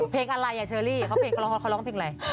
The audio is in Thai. เพลงอะไรเชอรี่เค้าเพลงเขาร้องเพลงอะไร